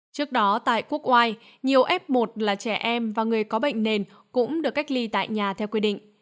trước đó tại quốc oai nhiều f một là trẻ em và người có bệnh nền cũng được cách ly tại nhà theo quy định